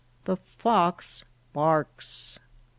The fox barks.